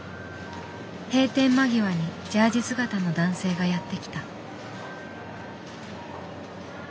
閉店間際にジャージ姿の男性がやって来た。